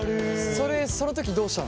その時どうしたの？